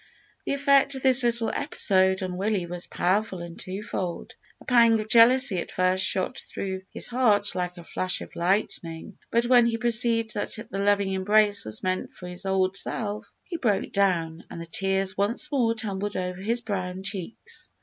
The effect of this little episode on Willie was powerful and twofold. A pang of jealousy at first shot through his heart like a flash of lightning; but when he perceived that the loving embrace was meant for his old self he broke down, and the tears once more tumbled over his brown cheeks.